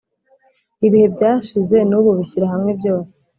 ibihe byashize nubu bishyira hamwe byose